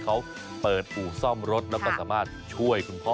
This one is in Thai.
เขาเปิดอู่ซ่อมรถแล้วก็สามารถช่วยคุณพ่อ